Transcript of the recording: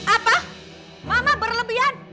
apa mama berlebihan